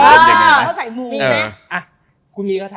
กลับไปก็น